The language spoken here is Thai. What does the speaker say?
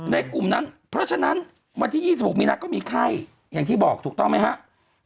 กลุ่มนั้นเพราะฉะนั้นวันที่๒๖มีนาก็มีไข้อย่างที่บอกถูกต้องไหมครับ